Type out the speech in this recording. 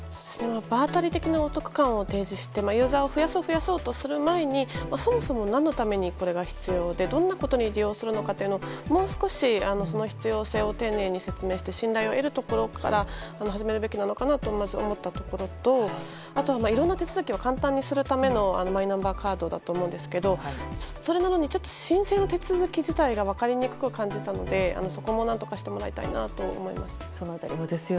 場当たり的なお得感を提示してユーザーを増やそうとする前にそもそも何のためにこれが必要でどんなことに利用するのかをもう少しその必要性を丁寧に説明して信頼を得るところから始めるべきなのではと思ったところとあとは、いろんな手続きを簡単にするためのマイナンバーカードだと思いますがそれなのに申請の手続き自体が分かりにくく感じたのでそこも何とかしてもらいたいなと思います。